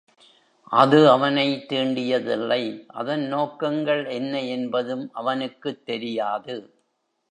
அது அவனைத் தீண்டியதில்லை அதன் நோக்கங்கள் என்ன என்பதும் அவனுக்குத் தெரியாது.